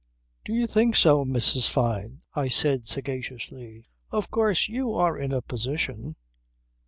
"Do you think so, Mrs. Fyne?" I said sagaciously. "Of course you are in a position